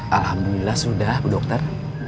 alhamdulillah sudah bu dokter